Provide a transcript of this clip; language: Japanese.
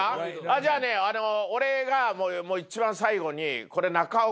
じゃあね俺が一番最後に。